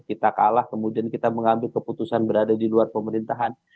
kita kalah kemudian kita mengambil keputusan berada di luar pemerintahan